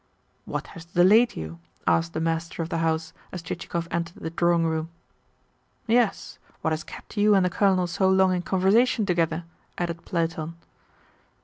"What has delayed you?" asked the master of the house as Chichikov entered the drawing room. "Yes, what has kept you and the Colonel so long in conversation together?" added Platon.